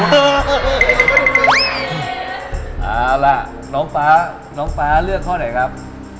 เอาล่ะน้องฟ้าน้องฟ้าเลือกข้อไหนครับ